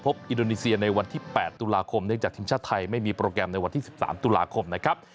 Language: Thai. อินโดนีเซียในวันที่๘ตุลาคมเนื่องจากทีมชาติไทยไม่มีโปรแกรมในวันที่๑๓ตุลาคมนะครับ